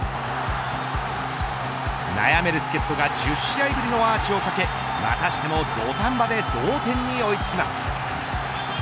悩める助っ人が１０試合ぶりのアーチをかけまたしても土壇場で同点に追いつきます。